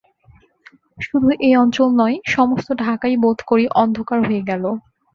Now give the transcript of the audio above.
শুধু এ অঞ্চল নয়, সমস্ত ঢাকাই বোধ করি অন্ধকার হয়ে গেল।